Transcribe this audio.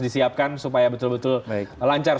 disiapkan supaya betul betul lancar